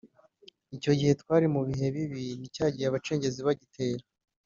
icyo gihe twari mu bihe bibi ni cyagihe abacengezi bagitera